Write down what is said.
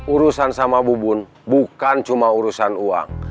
urusan sama bubun bukan cuma urusan uang